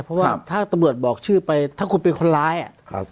เพราะว่าถ้าตำรวจบอกชื่อไปถ้าคุณเป็นคนร้ายอ่ะครับ